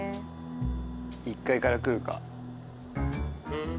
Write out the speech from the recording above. １階から来るか？